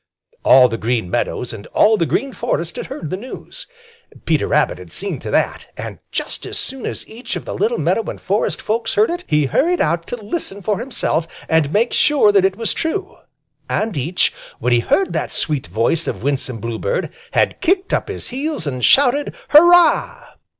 All the Green Meadows and all the Green Forest had heard the news. Peter Rabbit had seen to that. And just as soon as each of the little meadow and forest folks heard it, he hurried out to listen for himself and make sure that it was true. And each, when he heard that sweet voice of Winsome Bluebird, had kicked up his heels and shouted "Hurrah!"